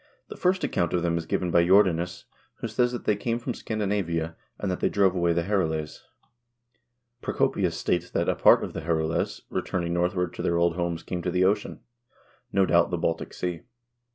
The first account of them is given by Jordanes, who says that they came from Scandinavia, and that they drove away the Herules. Procopius states that a part of the Herules returning northward to their old homes came to the ocean; no doubt, the Baltic Sea.